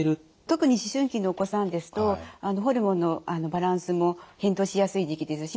特に思春期のお子さんですとホルモンのバランスも変動しやすい時期ですし